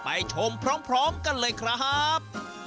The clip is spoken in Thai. ชมพร้อมกันเลยครับ